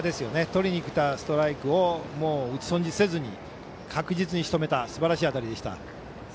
とりにきたストライクを打ち損じせずに確実にしとめたすばらしい当たりでした。